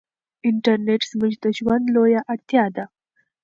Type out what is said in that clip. انټرنيټ زموږ د ژوند لویه اړتیا ده.